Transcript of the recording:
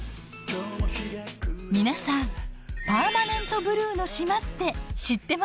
皆さんパーマネントブルーの島って知ってますか？